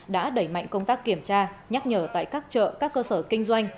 đã đẩy mạnh công tác kiểm tra nhắc nhở tại các chợ các cơ sở kinh doanh